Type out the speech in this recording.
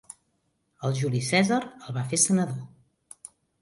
El Juli Cèsar el va fer senador.